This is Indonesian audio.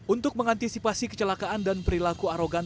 untuk mengantisipasi kecelakaan dan perilaku arogan